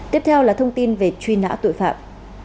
tiếp theo là thông tin về truy nã tội phạm